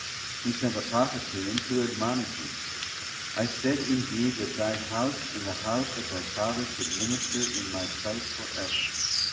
't He sent a prophet to him to admonish him. 'I said indeed that thy house and the house of thy father should minister in My sight for ever.